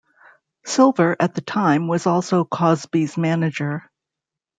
Silver, at the time, was also Cosby's manager.